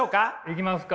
いきますか。